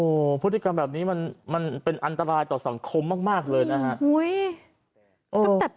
โอ้โหพฤติกรรมแบบนี้มันเป็นอันตรายต่อสังคมมากเลยนะฮะ